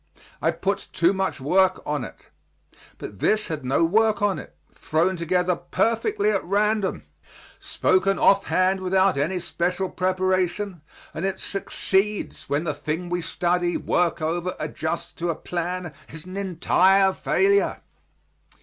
I put too much work on it. But this had no work on it thrown together perfectly at random, spoken offhand without any special preparation, and it succeeds when the thing we study, work over, adjust to a plan, is an entire failure.